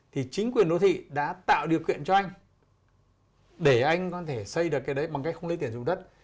thì chính quyền đô thị đã tạo điều kiện cho anh để anh có thể xây được cái đấy bằng cách không lấy tiền dùng đất